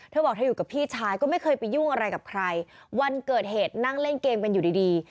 เธอบอกเธออยู่กับพี่ชายก็ไม่เคยไปยุ่งอะไรกับใครวันเกิดเหตุนั่งเล่นเกมกันอยู่ดีดี